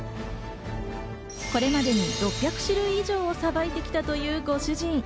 これまでに６００種類以上をさばいてきたというご主人。